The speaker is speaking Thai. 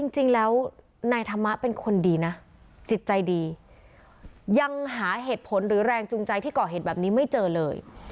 จริงแล้วนายธรรมะเป็นคนดีนะจิตใจดียังหาเหตุผลหรือแรงจูงใจที่ก่อเหตุแบบนี้ไม่เจอเลย